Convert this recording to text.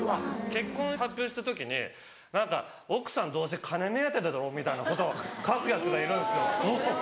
結婚発表した時に何か「奥さんどうせ金目当てだろ」みたいなことを書くヤツがいるんですよ。